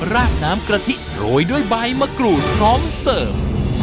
ราดน้ำกะทิโรยด้วยใบมะกรูดพร้อมเสิร์ฟ